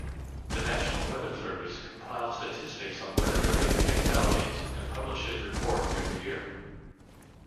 The National Weather Service compiles statistics on weather-related fatalities and publishes reports every year.